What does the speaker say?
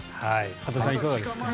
羽田さんいかがですか。